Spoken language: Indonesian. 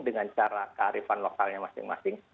dengan cara kearifan lokalnya masing masing